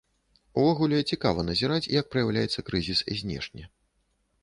Увогуле, цікава назіраць, як праяўляецца крызіс знешне.